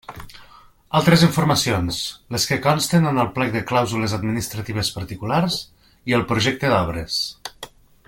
Altres informacions: les que consten en el plec de clàusules administratives particulars i al projecte d'obres.